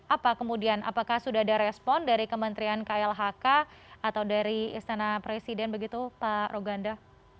apa kemudian apakah sudah ada respon dari kementerian klhk atau dari istana presiden begitu pak roganda